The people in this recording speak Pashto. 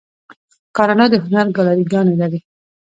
کاناډا د هنر ګالري ګانې لري.